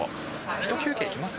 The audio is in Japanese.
ひと休憩いきます？